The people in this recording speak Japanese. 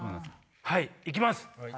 はい行きます！